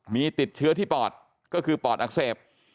มีติดเชื้อที่ปอดก็คือปอดอักเสบ